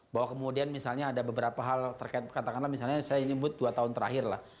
bahwa kemudian misalnya ada beberapa hal terkait katakanlah misalnya saya nyebut dua tahun terakhir lah